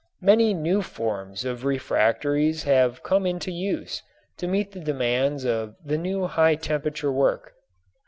Many new forms of refractories have come into use to meet the demands of the new high temperature work.